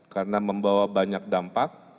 karena membawa banyak dampak